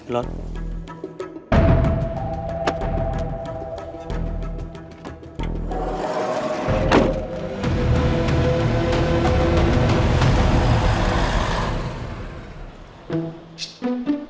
อ้าปาก